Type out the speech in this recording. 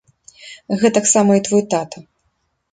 Гэтаксама і твой тата.